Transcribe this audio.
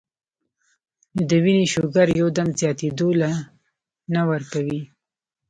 نو د وينې شوګر يو دم زياتېدو له نۀ ورکوي -